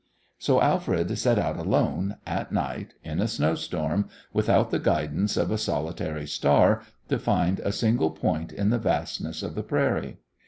So Alfred set out alone, at night, in a snowstorm, without the guidance of a solitary star, to find a single point in the vastness of the prairie.